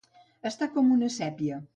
Estar com una sèpia.